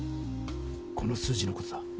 この数字の事だ。